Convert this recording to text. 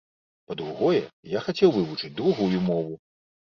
Па-другое, я хацеў вывучыць другую мову.